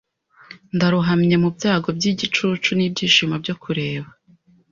Ndarohamye mubyago byigicucu nibyishimo byo kureba